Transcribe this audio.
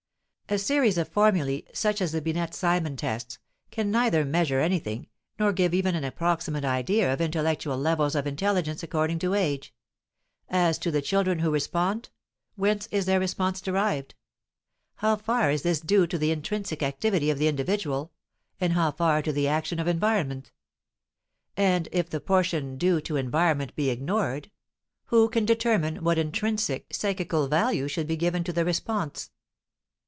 A series of formulae, such as the Binet Simon tests, can neither measure anything, nor give even an approximate idea of intellectual levels of intelligence according to age; as to the children who respond, whence is their response derived? How far is this due to the intrinsic activity of the individual, and how far to the action of environment? And if the portion due to environment be ignored, who can determine what intrinsic psychical value should be given to the response?